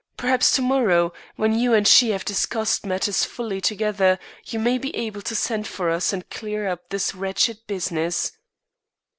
Perhaps to morrow, when you and she have discussed matters fully together, you may be able to send for us and clear up this wretched business."